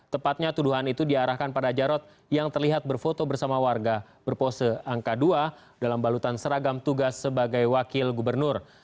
tepatnya tuduhan itu diarahkan pada jarod yang terlihat berfoto bersama warga berpose angka dua dalam balutan seragam tugas sebagai wakil gubernur